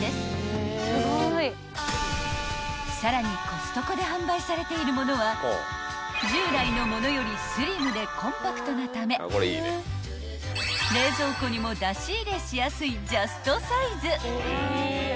［コストコで販売されているものは従来のものよりスリムでコンパクトなため冷蔵庫にも出し入れしやすいジャストサイズ］